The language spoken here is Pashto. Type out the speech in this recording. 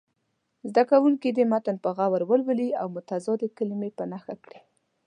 زده کوونکي دې متن په غور ولولي او متضادې کلمې په نښه کړي.